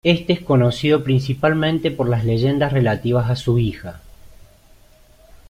Éste es conocido principalmente por las leyendas relativas a su hija.